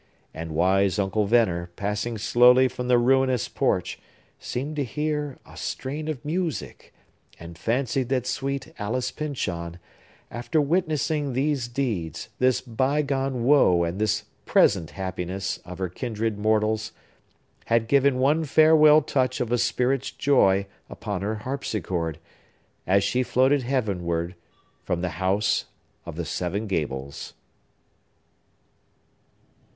And wise Uncle Venner, passing slowly from the ruinous porch, seemed to hear a strain of music, and fancied that sweet Alice Pyncheon—after witnessing these deeds, this bygone woe and this present happiness, of her kindred mortals—had given one farewell touch of a spirit's joy upon her harpsichord, as she floated heavenward from the HOUSE OF THE SEVEN GABLES!